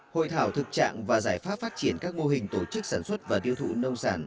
hội thảo thực trạng và giải pháp phát triển các mô hình tổ chức sản xuất và tiêu thụ nông sản